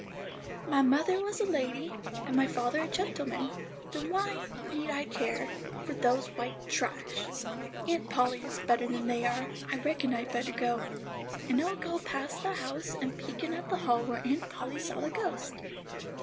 "My mother was a lady, and my father a gentleman; then why need I care for those white trash? Aunt Polly is better than they are. I reckon I'd better go. And I'll go past the house, and peek in at the hall where Aunt Polly saw the ghost."